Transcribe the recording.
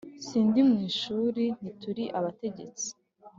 sindi mu ishuri ntituri abatetsi